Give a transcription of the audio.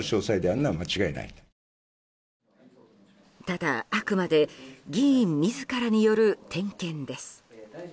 ただ、あくまで議員自らによる点検です。